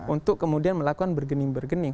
untuk kemudian melakukan bergening bergening